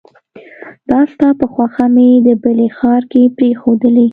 دا ستا په خوښه مې د بلې ښار کې پريښودلې